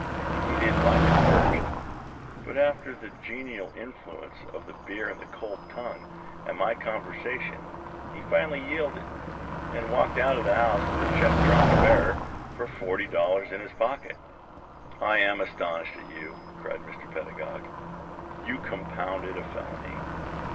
He didn't like it at first, but under the genial influence of the beer and the cold tongue and my conversation he finally yielded, and walked out of my house with a check drawn to bearer for forty dollars in his pocket." "I am astonished at you!" cried Mr. Pedagog. "You compounded a felony."